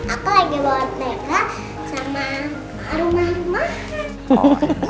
aku lagi bawa teka sama rumah rumahnya